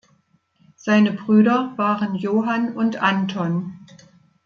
Seine Brüder waren Johann und Anton.